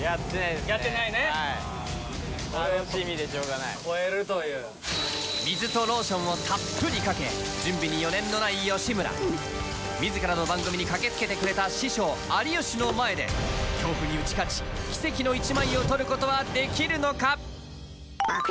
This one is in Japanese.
やってないねはい超えるという水とローションをたっぷりかけ準備に余念のない吉村自らの番組に駆けつけてくれた師匠有吉の前で恐怖に打ち勝ち奇跡の１枚を撮ることはできるのか？